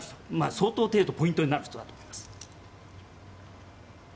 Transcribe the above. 相当程度、ポイントになる人だと思います。